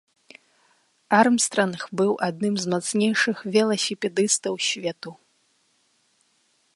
Армстранг быў адным з мацнейшых веласіпедыстаў свету.